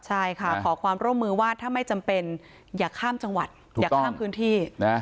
ใช่ค่ะขอความร่วมมือว่าถ้าไม่จำเป็นอย่าข้ามจังหวัดอย่าข้ามพื้นที่นะ